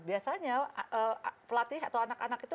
biasanya pelatih atau anak anak itu